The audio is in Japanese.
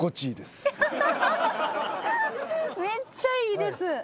めっちゃいいです。